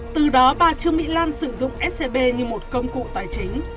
từ đó bà trương mỹ lan sử dụng scb như một công cụ tài chính